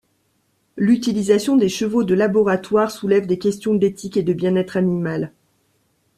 L'utilisation des chevaux de laboratoire soulève des questions d'éthique et de bien-être animal.